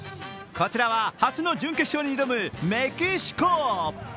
こちらは初の準決勝に挑むメキシコ。